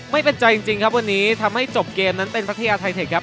ไม่เป็นใจจริงครับวันนี้ทำให้จบเกมนั้นเป็นพัทยาไทเทคครับ